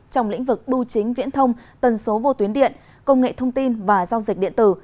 trong lĩnh vực bưu chính viễn thông tần số vô tuyến điện công nghệ thông tin và giao dịch điện tử